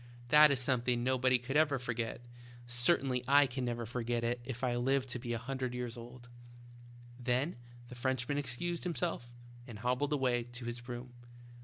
That is something nobody ever could forget ; cer tainly I can never forget it if I live to be a hundred years old." Then the Frenchman excused himself and hob bled away to his room.